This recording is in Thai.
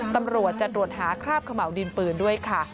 ตำรวจจะตรวจหาคราบเขม่าวดินปืนด้วยค่ะ